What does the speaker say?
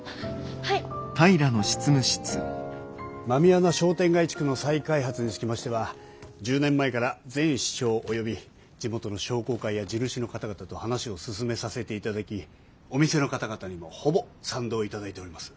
狸穴商店街地区の再開発につきましては１０年前から前市長及び地元の商工会や地主の方々と話を進めさせていただきお店の方々にもほぼ賛同いただいております。